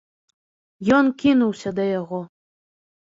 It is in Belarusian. Ён кінуўся да яго.